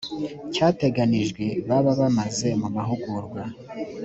cyateganijwe baba bamaze mu mahugurwa